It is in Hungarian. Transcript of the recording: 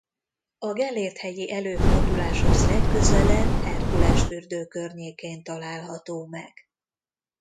A Gellért-hegyi előforduláshoz legközelebb Herkulesfürdő környékén található meg.